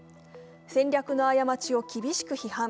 戦略の過ちを厳しく批判。